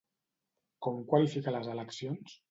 Com qualifica les eleccions?